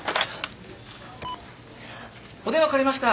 お電話代わりました。